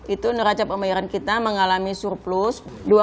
itu neraca pembayaran kita mengalami surplus